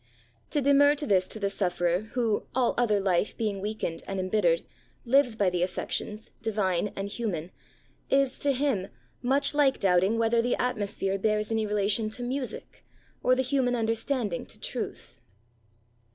To demur to this to the sufferer who (all other life being weakened and embittered) lives by the affections, divine and human, is, to him, much like doubting whether the atmosphere bears any relation to music, or the human under* standing to truth.